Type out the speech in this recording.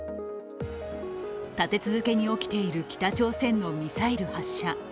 立て続けに起きている北朝鮮のミサイル発射。